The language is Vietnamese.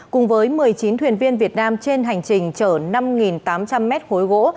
cùng với một mươi chín thuyền viên việt nam trên hành trình chở năm tám trăm linh mét khối gỗ